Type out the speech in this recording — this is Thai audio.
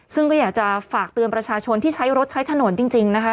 ซึ่งก็อยากจะฝากเตือนประชาชนที่ใช้รถใช้ถนนจริงนะคะ